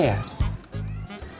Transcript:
saya ngomongan saya sendiri aja ya